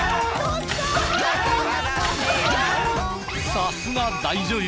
さすが大女優！